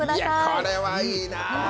これはいいな。